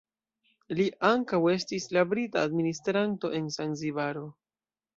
Li ankaŭ estis la brita administranto en Zanzibaro.